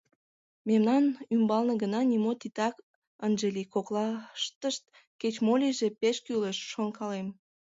Мемнан ӱмбалне гына нимо титак ынже лий, коклаштышт кеч-мо лийже — пеш кӱлеш, шонкалем.